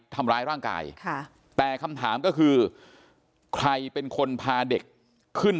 ทำร้ายร่างกายค่ะแต่คำถามก็คือใครเป็นคนพาเด็กขึ้น